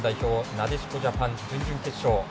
なでしこジャパン準々決勝